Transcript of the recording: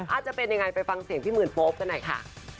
อาจจะเป็นยังไงไฟฟ้างเสียงพี่หมื่นโป๊บด้วยหน่อยค่ะ